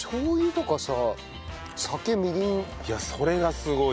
いやそれがすごいよ。